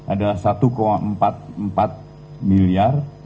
ada satu empat puluh empat miliar